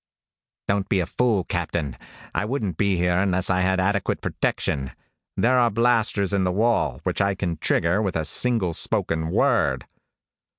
"Don't be a fool, Captain. I wouldn't be here unless I had adequate protection. There are blasters in the wall, which I can trigger with a single spoken word."